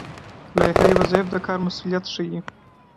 لایحه وظایف د کار مسوولیت ښيي